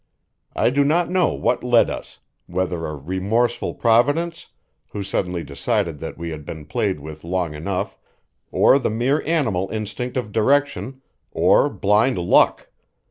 I do not know what led us; whether a remorseful Providence, who suddenly decided that we had been played with long enough, or the mere animal instinct of direction, or blind luck.